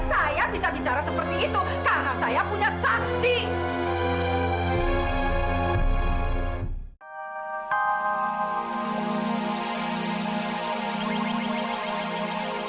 saya bisa bicara seperti itu karena saya punya saksi